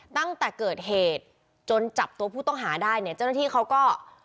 ตั้งแต่เกิดเหตุจนจับตัวผู้ต้องหาได้จะให้เค้าก็